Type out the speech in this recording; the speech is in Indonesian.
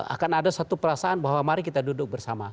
akan ada satu perasaan bahwa mari kita duduk bersama